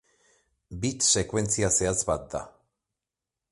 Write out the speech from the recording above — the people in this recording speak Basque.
Bit sekuentzia zehatz bat da.